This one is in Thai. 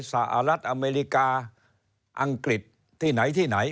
สหรัฐอเมริกาอังกฤษที่ไหนที่ไหน